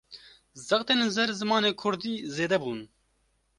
Zextên li ser zimanê Kurdî, zêde bûn